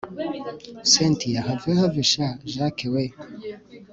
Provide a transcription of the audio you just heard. cyntia have have sha jack we